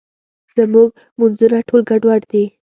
زموږ مونځونه ټول ګډوډ دي.